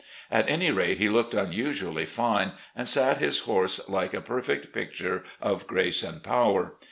At any rate, he looked unusually fine, and sat his horse like a perfect picture of grace and power.